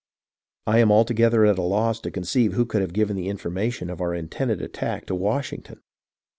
I am altogether at a loss to conceive who could have given the information of our intended attack to Washington.